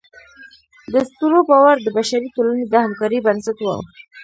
د اسطورو باور د بشري ټولنې د همکارۍ بنسټ و.